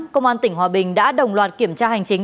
công an tỉnh hòa bình đã đồng loạt kiểm tra hành chính